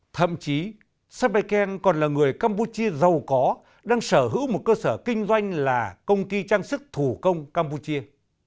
thậm chí sao pai khen còn là người campuchia giàu có đang sở hữu một cơ sở kinh doanh là công ty trang sức thủ công campuchia